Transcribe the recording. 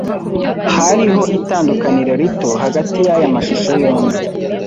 Hariho itandukaniro rito hagati yaya mashusho yombi.